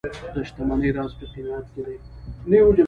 د شتمنۍ راز په قناعت کې دی، نه یوازې په پیسو کې.